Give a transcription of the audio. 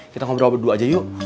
kita ngobrol berdua aja yuk